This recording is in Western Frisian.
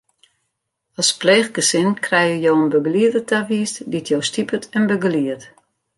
As pleechgesin krije jo in begelieder tawiisd dy't jo stipet en begeliedt.